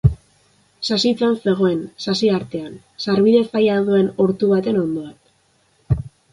Sasitzan zegoen, sasi artean, sarbide zaila duen ortu baten ondoan.